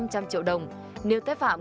năm trăm linh triệu đồng nếu tái phạm